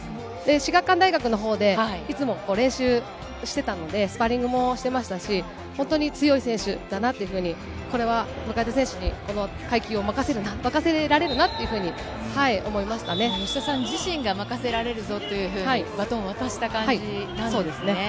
至学館大学のほうでいつも練習してたので、スパーリングもしてましたし、本当に強い選手だなというふうに、これは向田選手にこの階級を任せられるなっていうふうに思いまし吉田さん自身が任せられるぞというふうに、バトンを渡した感じなんですね。